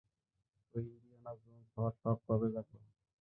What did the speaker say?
তো, Indiana Jones হওয়ার শখ কবে জাগলো?